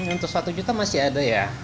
untuk satu juta masih ada ya